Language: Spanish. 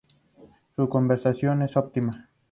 Su conservación es óptima.